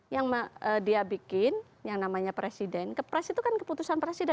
yang dia bikin yang namanya presiden kepres itu kan keputusan presiden